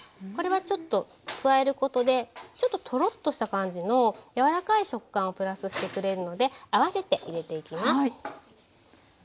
これはちょっと加えることでちょっとトロッとした感じの柔らかい食感をプラスしてくれるので合わせて入れていきます。